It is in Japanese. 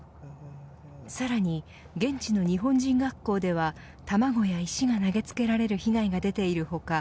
さらに現地の日本人学校では卵や石が投げつけられる被害が出ている他